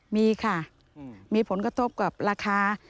มีค่ะมีผลกระทบกับราคา